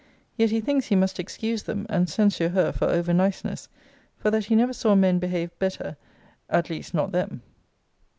Yet he thinks he must excuse them, and censure her for over niceness; for that he never saw men behave better, at least not them.